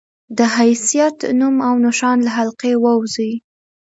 د حيثيت، نوم او نښان له حلقې ووځي